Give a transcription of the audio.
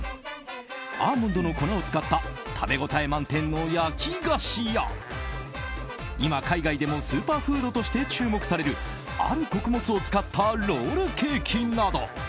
アーモンドの粉を使った食べ応え満点の焼き菓子や今、海外でもスーパーフードとして注目されるある穀物を使ったロールケーキなど。